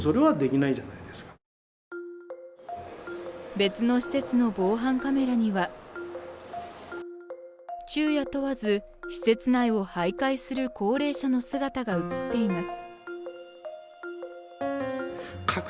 別の施設の防犯カメラには昼夜問わず、施設内を徘徊する高齢者の姿が映っています。